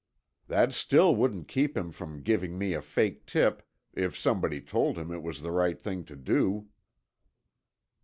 "That still wouldn't keep him from giving me a fake tip, if somebody told him it was the right thing to do."